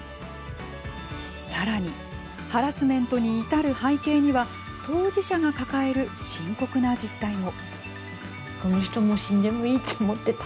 さらにハラスメントに至る背景には当事者が抱える深刻な実態も。